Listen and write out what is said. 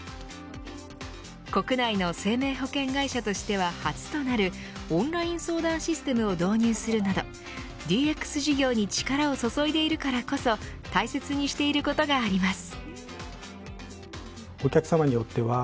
国内の生命保険会社としては初となるオンライン相談システムを導入するなどＤＸ事業に力を注いでいるからこそ大切にしていることがあります。